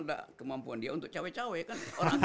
ada kemampuan dia untuk cewek cewek kan